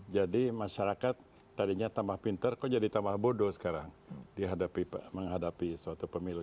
jadi masyarakat tadinya tambah pinter kok jadi tambah bodoh sekarang menghadapi suatu pemilu